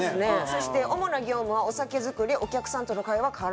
そして主な業務はお酒作りお客さんとの会話カラオケですね。